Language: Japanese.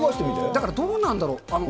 だからどうなんだろう？